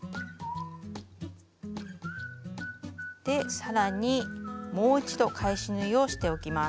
更にもう一度返し縫いをしておきます。